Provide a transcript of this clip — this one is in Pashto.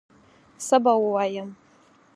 څه به ووایم